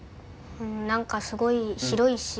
何かすごい広いし。